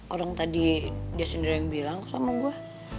orang tadi dia sendiri yang bilang sama gue